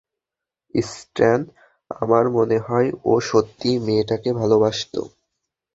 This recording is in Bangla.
স্ট্যান, আমার মনে হয়, ও সত্যিই মেয়েটাকে ভালবাসত।